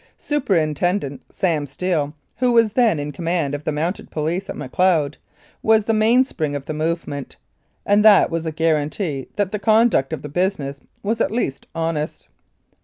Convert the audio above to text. Superintendent Sam Steele, who was then in command of the Mounted Police at Macleod, was the mainspring of the movement, and that was a guarantee that the con duct of the business was at least honest.